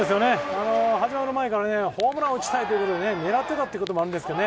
始まる前からホームランを打ちたいということで狙っていたということもあるんですかね。